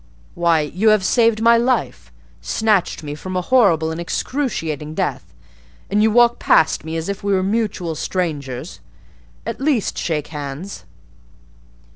Why, you have saved my life!—snatched me from a horrible and excruciating death! and you walk past me as if we were mutual strangers! At least shake hands."